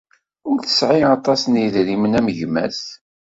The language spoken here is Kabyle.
Ur tesɛi aṭas n yedrimen am gma-s.